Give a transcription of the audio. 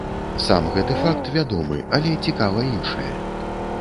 Сам гэты факт вядомы, але цікава іншае.